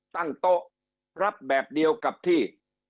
ตั้งโต๊ะรับแบบเดียวกับที่